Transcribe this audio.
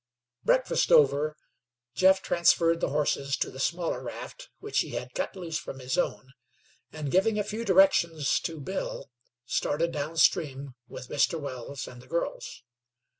Breakfast over, Jeff transferred the horses to the smaller raft, which he had cut loose from his own, and, giving a few directions to Bill, started down stream with Mr. Wells and the girls.